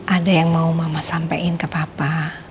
ada yang mau mama sampaikan ke papa